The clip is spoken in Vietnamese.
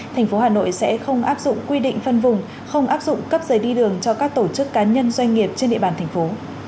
thành phố hà nội sẽ không áp dụng quy định phân vùng không áp dụng cấp giấy đi đường cho các tổ chức cá nhân doanh nghiệp trên địa bàn thành phố